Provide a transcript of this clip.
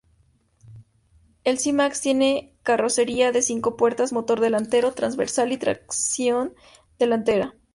El C-Max tiene carrocería de cinco puertas, motor delantero transversal y tracción delantera.